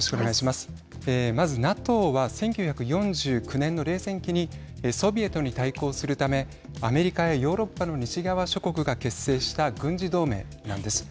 まず、ＮＡＴＯは１９４９年の冷戦期にソビエトに対抗するためアメリカやヨーロッパの西側諸国が結成した軍事同盟なんです。